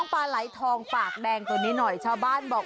ปลาไหลทองปากแดงตัวนี้หน่อยชาวบ้านบอก